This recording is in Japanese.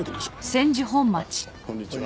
あっこんにちは。